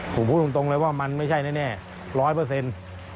ผมพูดตรงเลยว่ามันไม่ใช่แน่ร้อยเปอร์เซ็นต์